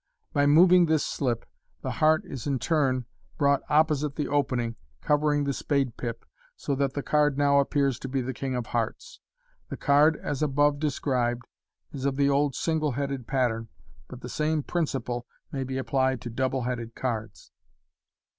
By moving this slip, the heart is in MODERN MAGIC. *43 turn brought opposite the opening, covering the spade pip, so that the card now appears to be the king of hearts. The card as above de scribed is of the old single headed pattern, but the same principle may be applied to double headed cards.